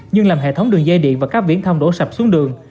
nhưng làm hệ thống đường dây điện và các viễn thông đổ sập xuống đường